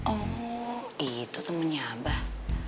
oh itu temennya abah